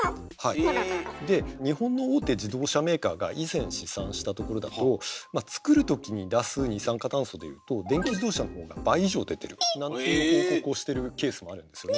で日本の大手自動車メーカーが以前試算したところだとまあ作る時に出す二酸化炭素でいうと電気自動車の方が倍以上出てるなんていう報告をしてるケースもあるんですよね。